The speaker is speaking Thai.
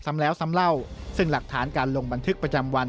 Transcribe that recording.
ซ้ำแล้วซ้ำเล่าซึ่งหลักฐานการลงบันทึกประจำวัน